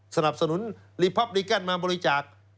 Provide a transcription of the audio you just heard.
สนับสนุนรีพับริกันมาบริจาค